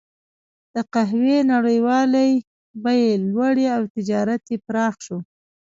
د قهوې نړیوالې بیې لوړې او تجارت یې پراخ شو.